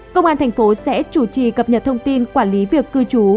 công an thành phố sẽ chủ trì cập nhật thông tin quản lý việc cư trú